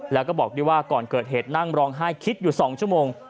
แล้วก็บอกด้วยว่าก่อนเกิดเหตุนั่งร้องไห้คิดอยู่๒ชั่วโมง